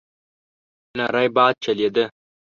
نری باد چلېده.